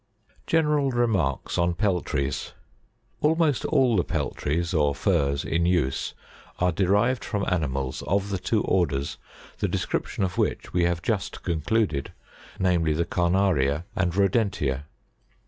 General Remarks on I'ellrics. 67. Almost all the peltries or furs in use, are derived from ani mals of the two orders the description of which we have just con cluded, namely: the Carnaria and Rodentia.